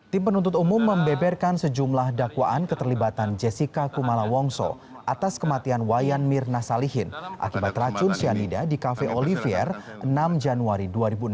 tim penuntut umum membeberkan sejumlah dakwaan keterlibatan jessica kumala wongso atas kematian wayan mirna salihin akibat racun cyanida di cafe olivier enam januari dua ribu enam belas